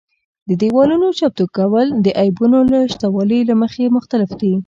د دېوالونو چمتو کول د عیبونو له شتوالي له مخې مختلف دي.